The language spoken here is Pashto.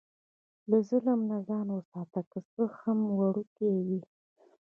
له ظلم نه ځان وساته، که څه هم وړوکی وي.